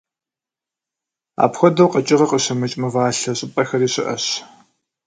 Апхуэдэу къэкӏыгъэ къыщымыкӏ мывалъэ щӏыпӏэхэри щыӏэщ.